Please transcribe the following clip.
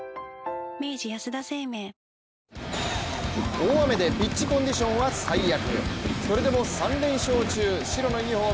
大雨でピッチコンディションは最悪。